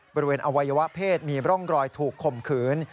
บริเวณอวัยวะเพศมีร่องรอยถูกข่มขืน